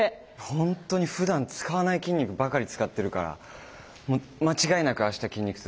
本当にふだん使わない筋肉ばかり使ってるからもう間違いなく明日筋肉痛です。